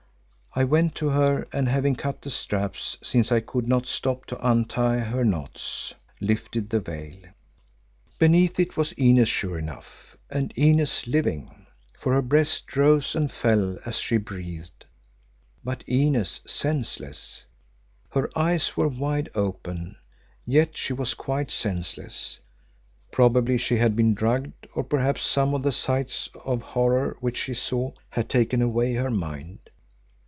I went to her and having cut the straps, since I could not stop to untie their knots, lifted the veil. Beneath it was Inez sure enough, and Inez living, for her breast rose and fell as she breathed, but Inez senseless. Her eyes were wide open, yet she was quite senseless. Probably she had been drugged, or perhaps some of the sights of horror which she saw, had taken away her mind.